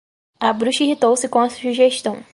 A bruxa irritou-se com a sugestão